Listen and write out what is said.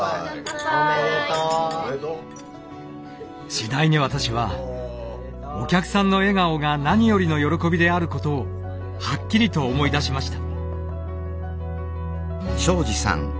次第に私はお客さんの笑顔が何よりの喜びであることをはっきりと思い出しました。